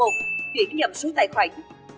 một chuyển nhầm số tài khoản